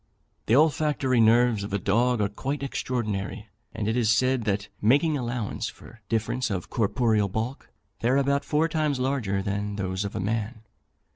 The olfactory nerves of a dog are quite extraordinary, and it is said that, making allowance for difference of corporeal bulk, they are about four times larger than those of a man.